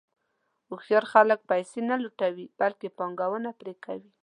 هوښیار خلک پیسې نه راټولوي، بلکې پانګونه پرې کوي.